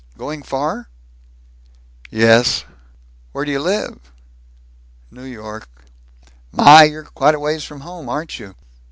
"Going far?" "Yes." "Where do you live?" "New York." "My! You're quite a ways from home, aren't you?"